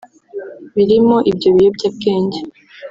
birimo ibyo biyobyabwenge